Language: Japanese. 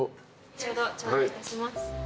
ちょうど頂戴いたします。